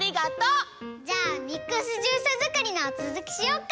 じゃあミックスジュースづくりのつづきしよっか。